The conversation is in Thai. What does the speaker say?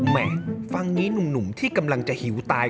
ฟังนี้หนุ่มที่กำลังจะหิวตาย